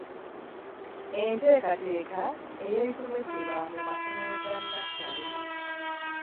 Enteekateeka y’ebisomesebwa mu masomero ga nnassale.